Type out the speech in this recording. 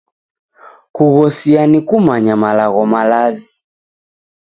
Kughosia ni kumanya malagho malazi.